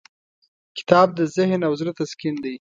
کتاب د ذهن او زړه تسکین دی.